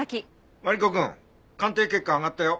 マリコくん鑑定結果上がったよ。